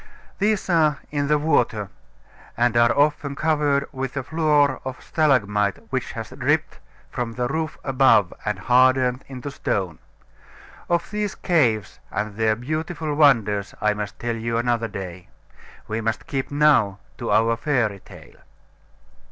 These are in the water, and are often covered with a floor of stalagmite which has dripped from the roof above and hardened into stone. Of these caves and their beautiful wonders I must tell you another day. We must keep now to our fairy tale.